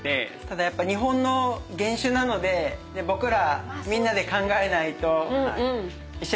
ただ日本の原種なので僕らみんなで考えないと。